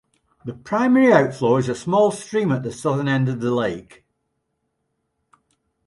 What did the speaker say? The primary outflow is a small stream at the southern end of the lake.